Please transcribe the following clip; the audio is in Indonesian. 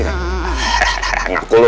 hah ngaku lo